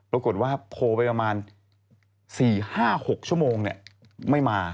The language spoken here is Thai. ปรากฏว่าโทรไปประมาณ๔๕๖ชั่วโมงไม่มา